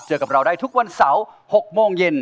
กับเราได้ทุกวันเสาร์๖โมงเย็น